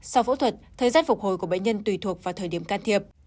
sau phẫu thuật thời gian phục hồi của bệnh nhân tùy thuộc vào thời điểm can thiệp